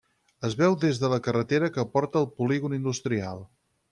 Es veu des de la carretera que porta al polígon industrial.